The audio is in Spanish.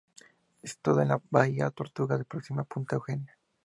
Está situada en la Bahía Tortugas, próxima a Punta Eugenia.